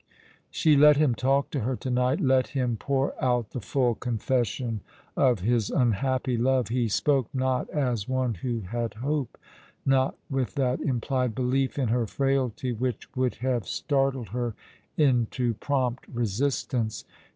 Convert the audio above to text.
She let him talk to her to night — let him pour out the full confession of his unhappy love. He spoke not as one who had hope ; not with that implied belief in her frailty which would have startled her into prompt resistance.